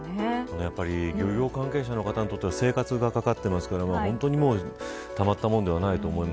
やっぱり漁業関係者の方にとっては生活がかかってますから本当にたまったものではないと思います。